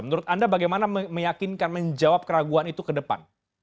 menurut anda bagaimana meyakinkan menjawab keraguan itu ke depan